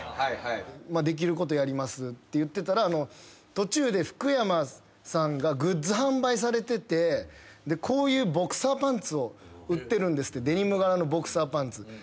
できることやりますって言ってたら途中で福山さんがグッズ販売されててでこういうボクサーパンツを売ってるんですってデニム柄のボクサーパンツ。